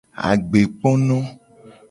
Agbekpono.